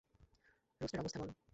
Rooster, অবস্থা বলো?